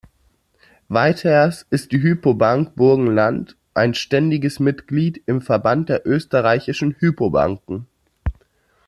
Weiters ist die Hypo-Bank Burgenland ein ständiges Mitglied im Verband der österreichischen Hypo-Banken.